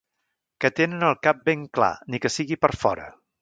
Que tenen el cap ben clar, ni que sigui per fora.